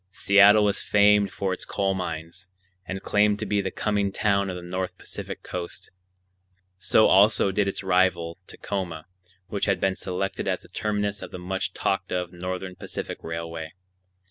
Seattle was famed for its coal mines, and claimed to be the coming town of the North Pacific Coast. So also did its rival, Tacoma, which had been selected as the terminus of the much talked of Northern Pacific Railway.